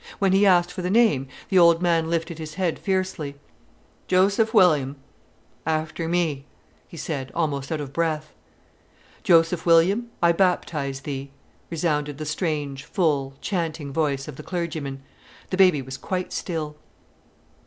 When he asked for the name, the old man lifted his head fiercely. "Joseph William, after me," he said, almost out of breath. "Joseph William, I baptize thee...." resounded the strange, full, chanting voice of the clergyman. The baby was quite still.